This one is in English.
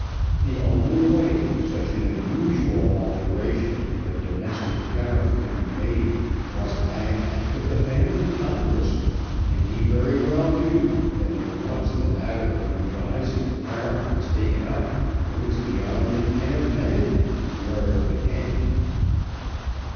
The only way such an unusual alteration in the Domestic Tariff could be made was by act of the Family Congress, and he very well knew that if once the matter of revising the tariff was taken up it was beyond the ken of man where it would end.